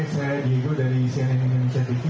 saya diego dari cnn indonesia tv